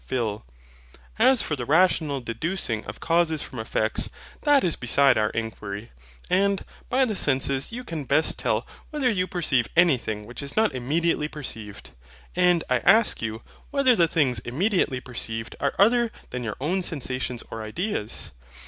PHIL. As for the rational deducing of causes from effects, that is beside our inquiry. And, by the senses you can best tell whether you perceive anything which is not immediately perceived. And I ask you, whether the things immediately perceived are other than your own sensations or ideas?